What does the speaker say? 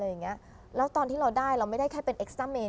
เพราะตอนที่เราได้เราไม่ได้แค่เป็นเอ็กซ่าเมน